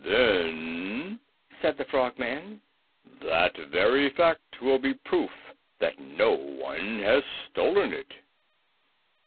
"Then," said the Frogman, "that very fact will be proof that no one has stolen it."